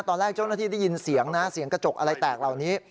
ตอนแรกเจ้าหน้าที่ได้ยินเสียงนะเสียงกระจกอะไรแตกเหล่านี้